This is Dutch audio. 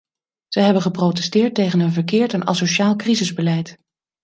Ze hebben geprotesteerd tegen een verkeerd en asociaal crisisbeleid.